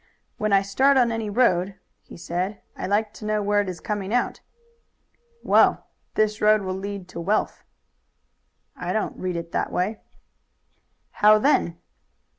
"When I start on any road," he said, "I like to know where it is coming out." "Well, this road will lead to wealth." "I don't read it that way." "How then?"